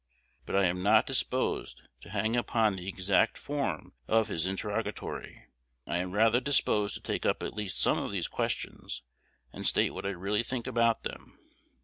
But I am not disposed to hang upon the exact form of his interrogatory. I am rather disposed to take up at least some of these questions, and state what I really think upon them.